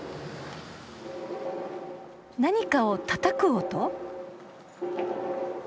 ・・何かをたたく音？